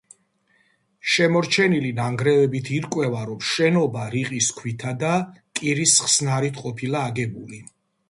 შემორჩენილი ნანგრევებით ირკვევა, რომ შენობა რიყის ქვითა და კირის ხსნარით ყოფილა აგებული.